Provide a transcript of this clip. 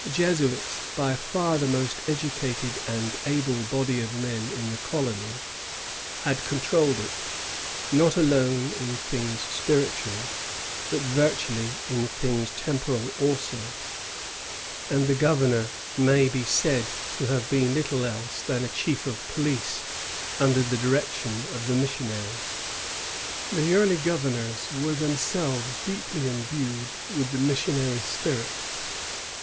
The Jesuits, by far the most educated and able body of men in the colony, had controlled it, not alone in things spiritual, but virtually in things temporal also; and the governor may be said to have been little else than a chief of police, under the direction of the missionaries. The early governors were themselves deeply imbued with the missionaiy spirit.